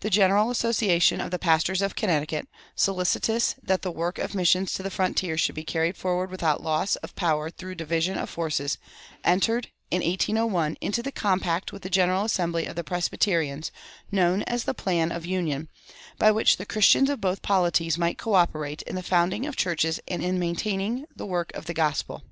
The General Association of the pastors of Connecticut, solicitous that the work of missions to the frontier should be carried forward without loss of power through division of forces, entered, in 1801, into the compact with the General Assembly of the Presbyterians known as the "Plan of Union," by which Christians of both polities might coöperate in the founding of churches and in maintaining the work of the gospel.